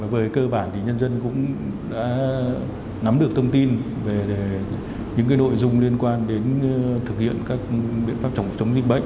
về cơ bản thì nhân dân cũng đã nắm được thông tin về những nội dung liên quan đến thực hiện các biện pháp phòng chống dịch bệnh